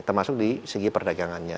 termasuk di segi perdagangannya